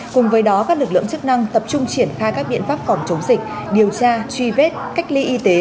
cùng với đó các lực lượng chức năng tập trung triển khai các biện pháp phòng chống dịch điều tra truy vết cách ly y tế